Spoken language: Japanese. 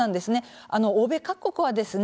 あの欧米各国はですね